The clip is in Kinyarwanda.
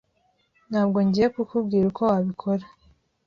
Ntabwo ngiye kukubwira uko wabikora.